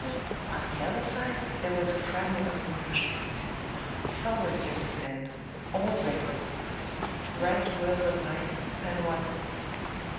On the other side, there was a fragment of conclusion: "... thoroughly understand. All ready. Write word what night, and what